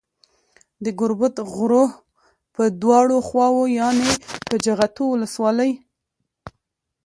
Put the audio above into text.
د گوربت غروه په دواړو خواوو يانې په جغتو ولسوالۍ